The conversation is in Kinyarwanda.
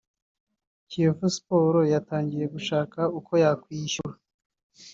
Kiyovu Sports yatangiye gushaka uko yakwishyura